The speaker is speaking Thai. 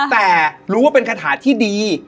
แต่รู้ว่าเป็นคาถาที่ดี